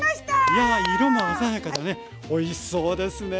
いや色が鮮やかでねおいしそうですね。